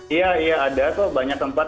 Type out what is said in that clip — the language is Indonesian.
iya iya ada kok banyak tempat